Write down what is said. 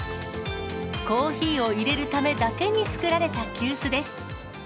コーヒーをいれるためだけに作られた急須です。